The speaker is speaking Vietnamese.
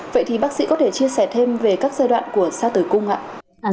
vậy thì bác sĩ có thể chia sẻ thêm về các giai đoạn của sao tử cung ạ